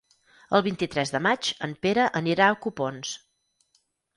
El vint-i-tres de maig en Pere anirà a Copons.